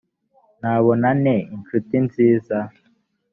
nabona nte incuti nziza